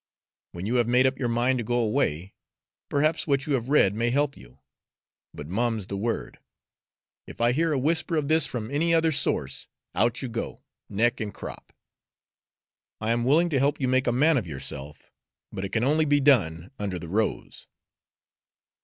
When you have made up your mind to go away, perhaps what you have read may help you. But mum 's the word! If I hear a whisper of this from any other source, out you go, neck and crop! I am willing to help you make a man of yourself, but it can only be done under the rose."